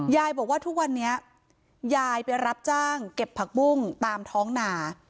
ยายบอกว่าทุกวันนี้ยายไปรับจ้างเก็บผักบุ้งตามท้องหนา